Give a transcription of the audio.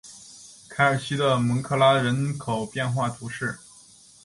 凯尔西的蒙克拉人口变化图示